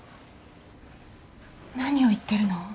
何を言ってるの？